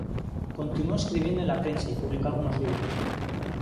Continuó escribiendo en la prensa y publicó algunos libros.